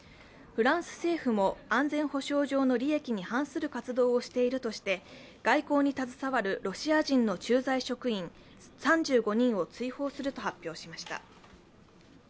フランス政府も安全保障上の利益に反する活動をしているとして外交に携わるロシア人の駐在職員３５人を追放すると発表しました。